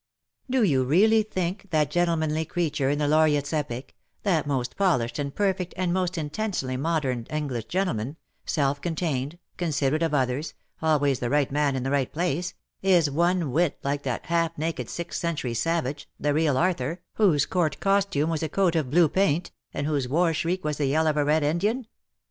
•^^ Do you really think that gentlemanly creature in the Laureate's epic — that most polished and per fect and most intensely modern English gentleman, self contained, considerate of others, always the right man in the right place — is one whit like that half naked sixth century savage — the real Arthur — whose Court costume was a coat of blue paint, and whose war shriek was the yell of a Red Lidian